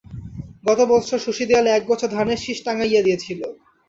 গতবৎসর শশী দেয়ালে একগোছা ধানের শিষ টাঙ্গাইয়া দিয়াছিল।